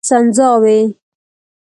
سنځاوي